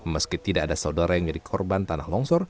meski tidak ada saudara yang menjadi korban tanah longsor